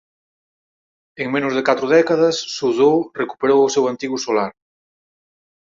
En menos de catro décadas Suzhou recuperou o seu antigo solar.